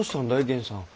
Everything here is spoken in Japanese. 源さん。